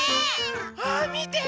あっみて！